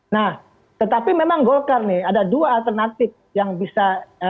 nah tetapi memang golkar nih ada dua alternatif yang bisa